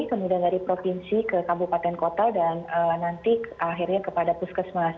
kemudian dari provinsi ke kabupaten kota dan nanti akhirnya kepada puskesmas